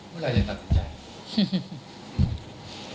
เมื่อไหร่จะตัดสุดใจ